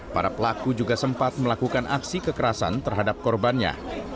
para pelaku juga sempat melakukan aksi kekerasan terhadap korbannya